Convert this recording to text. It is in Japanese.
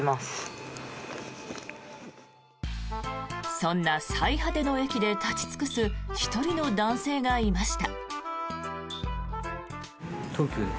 そんな最果ての駅で立ち尽くす１人の男性がいました。